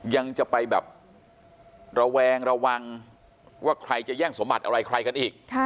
ยังจะไปแบบระแวงระวังว่าใครจะแย่งสมบัติอะไรใครกันอีก